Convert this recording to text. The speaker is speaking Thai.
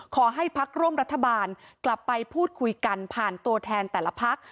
พักร่วมรัฐบาลกลับไปพูดคุยกันผ่านตัวแทนแต่ละพัก